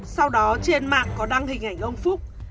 sau đó trên mạng có đăng hình ảnh ông phúc